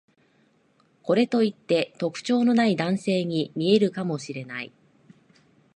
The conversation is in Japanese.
これといって特徴のない男性に見えるかもしれない